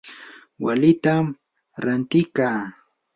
walitam rantikaa.